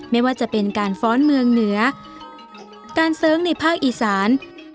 ไม่ว่าจะเป็นการฟ้อนเมืองเหนือการเสิร์งในภาคอีสาน